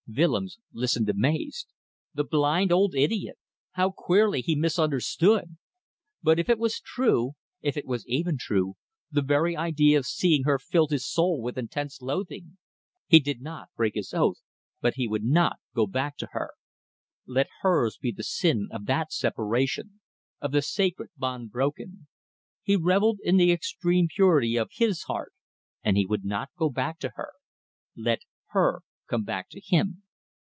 Willems listened amazed. The blind old idiot! How queerly he misunderstood! But if it was true, if it was even true, the very idea of seeing her filled his soul with intense loathing. He did not break his oath, but he would not go back to her. Let hers be the sin of that separation; of the sacred bond broken. He revelled in the extreme purity of his heart, and he would not go back to her. Let her come back to him.